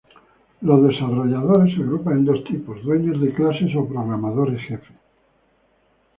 Los desarrolladores se agrupan en dos tipos, "dueños de clases" o "programadores jefe".